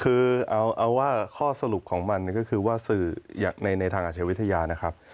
คือเอาว่าข้อสรุปของมันก็คือว่าสื่อในทางอาชวิทยานะครับ